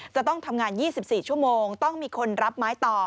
จะต้องทำงาน๒๔ชั่วโมงต้องมีคนรับไม้ต่อ